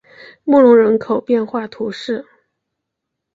穆龙人口变化图示